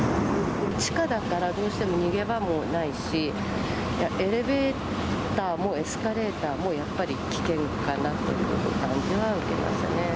地下だからどうしても逃げ場もないし、エレベーターも、エスカレーターもやっぱり、危険かなという感じは受けますね。